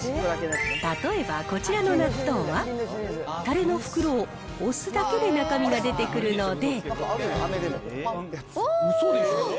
例えばこちらの納豆は、たれの袋を押すだけで中身が出てくるので。